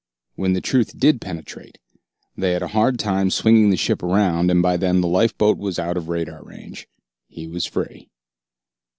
When the truth did penetrate, they had a hard time swinging the ship around, and by then the lifeboat was out of radar range. He was free.